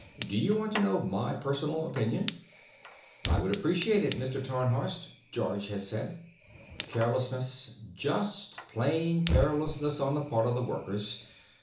Do you want to know my personal opinion?" "I would appreciate it, Mr. Tarnhorst," Georges had said. "Carelessness. Just plain carelessness on the part of the workers.